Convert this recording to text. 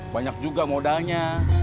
banyak juga modalnya